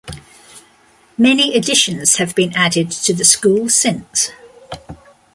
Many additions have been added to the school since.